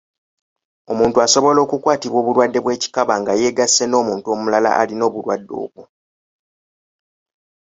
Omuntu asobola okukwatibwa obulwadde bw’ekikaba nga yeegasse n’omuntu omulala alina obulwadde obwo.